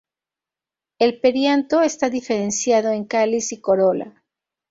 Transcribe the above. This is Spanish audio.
El perianto está diferenciado en cáliz y corola.